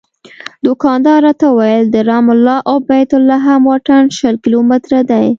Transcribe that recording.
دوکاندار راته وویل د رام الله او بیت لحم واټن شل کیلومتره دی.